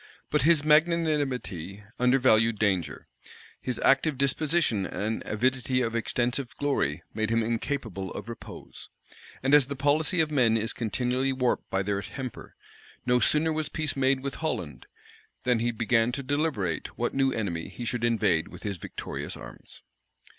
But his magnanimity undervalued danger; his active disposition and avidity of extensive glory made him incapable of repose: and as the policy of men is continually warped by their temper, no sooner was peace made with Holland, than he began to deliberate what new enemy he should invade with his victorious arms.